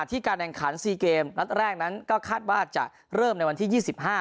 ที่การแห่งขันสี่เกมรัฐแรกนั้นก็คาดว่าจะเริ่มในวันที่ยี่สิบห้า